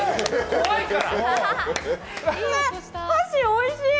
おいしい。